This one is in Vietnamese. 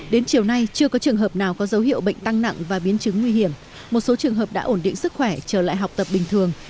đến chiều nay chưa có trường hợp nào có dấu hiệu bệnh tăng nặng và biến chứng nguy hiểm một số trường hợp đã ổn định sức khỏe trở lại học tập bình thường